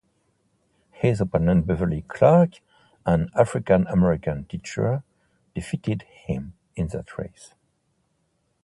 His opponent Beverly Clark, an African-American teacher, defeated him in that race.